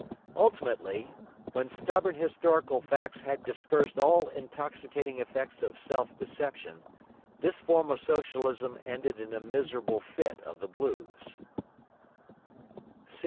Ultimately, when stubborn historical facts had dispersed all intoxicating effects of self deception, this form of Socialism ended in a miserable fit of the blues.